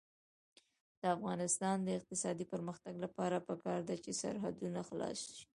د افغانستان د اقتصادي پرمختګ لپاره پکار ده چې سرحدونه خلاص وي.